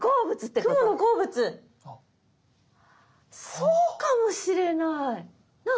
そうかもしれない。なあ？